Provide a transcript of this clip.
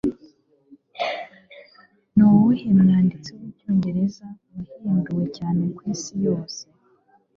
Nuwuhe mwanditsi wicyongereza wahinduwe cyane kwisi yose